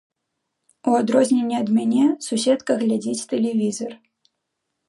У адрозненне ад мяне, суседка глядзіць тэлевізар.